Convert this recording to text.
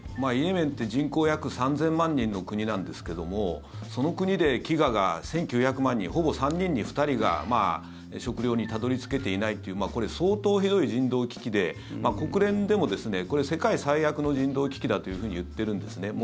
イエメンって人口約３０００万人の国ですがその国で飢餓が１９００万人ほぼ３人に２人が食料にたどり着けていないというこれ、相当ひどい人道危機で国連でも世界最悪の人道危機だと言っているんですね。